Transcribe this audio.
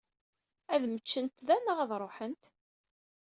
Ad mmeččent da neɣ ad ṛuḥent?